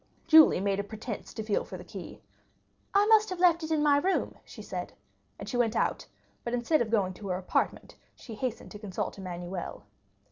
Julie made a pretence to feel for the key. "I must have left it in my room," she said. And she went out, but instead of going to her apartment she hastened to consult Emmanuel.